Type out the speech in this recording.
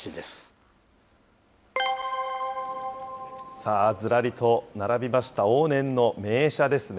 さあ、ずらりと並びました往年の名車ですね。